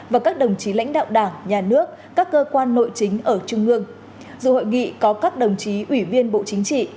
và các đồng chí lãnh đạo đảng nhà nước các cơ quan nội chính ở trung ương dù hội nghị có các đồng chí ủy viên bộ chính trị